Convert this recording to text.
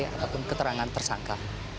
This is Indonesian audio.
ataupun keterangan tersangka